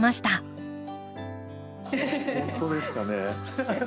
本当ですかね。